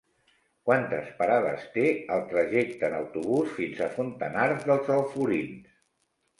Quantes parades té el trajecte en autobús fins a Fontanars dels Alforins?